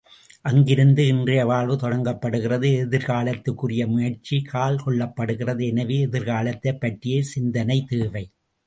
அங்கிருந்து இன்றைய வாழ்வு தொடங்கப்படுகிறது எதிர்காலத்திற்குரிய முயற்சி கால் கொள்ளப்படுகிறது எனவே, எதிர்காலத்தைப் பற்றிய சிந்தனை தேவை.